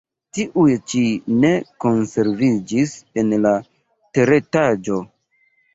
Tiuj ĉi ne konserviĝis en la teretaĝo.